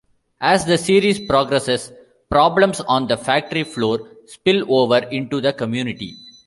As the series progresses, problems on the factory floor spill over into the community.